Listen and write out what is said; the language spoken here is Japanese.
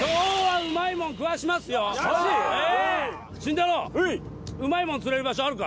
ウマイもん釣れる場所あるか？